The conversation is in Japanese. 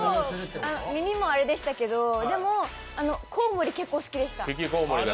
耳もあれでしたけど、こうもり、結構好きでした。